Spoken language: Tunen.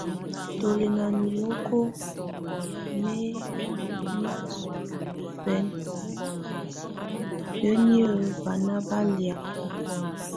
Tù lɛ̀ nà niloko nɛ̀ nikulǝ́ niɔ̀fɛna, hǝ́niǝ banà ba lɛ̀á?